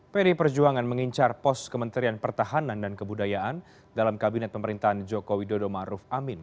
pdi perjuangan mengincar pos kementerian pertahanan dan kebudayaan dalam kabinet pemerintahan jokowi dodo maruf amin